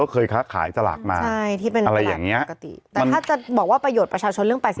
อ๋อเกจิอาจารย์ตายวันนี้ค่ะแรง